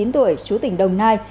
một mươi chín tuổi chú tỉnh đồng nai